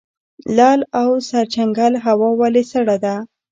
لعل او سرجنګل هوا ولې سړه ده؟